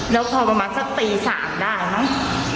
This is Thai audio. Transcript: แล้วพอประมาณสักตีสามได้เนาะ